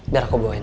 biar aku bawain